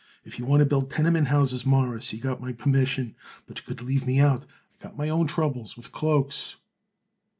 If you want to build tenement houses, Mawruss, you got my permission; but you could leave me out. I got my own troubles with cloaks."